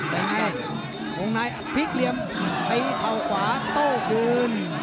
แต่ไงองค์นายพีคเหลี่ยมไปเทาขวาโต้คืน